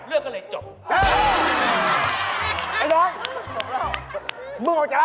พี่แง่เลยชันละซี่